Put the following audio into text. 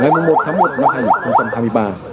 ngày một tháng một năm hai nghìn hai mươi ba